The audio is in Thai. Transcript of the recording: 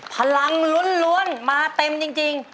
พลังล้วนมาเต็มจริง